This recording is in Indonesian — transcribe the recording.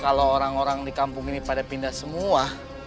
kalau orang orang di kampung ini pada pindah semua